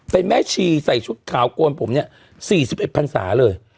เป็นแม่ชีใส่ชุดขาวโกนผมเนี่ย๔๑พันศาเลย